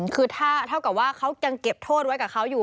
คือเท่ากับว่าเขายังเก็บโทษไว้กับเขาอยู่